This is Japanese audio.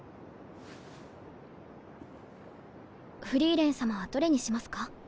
フリーレン様はどれにしますか？